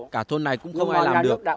cả thôn này cũng không ai làm được